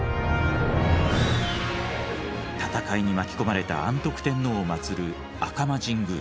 戦いに巻き込まれた安徳天皇を祭る赤間神宮。